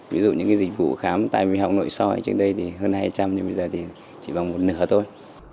ví dụ những cái dịch vụ khám tại bảo hiểm xã hội trên đây thì hơn hai trăm linh nhưng bây giờ thì chỉ vòng một nửa thôi